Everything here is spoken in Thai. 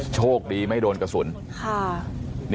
โชคดีไม่โดนกระสุน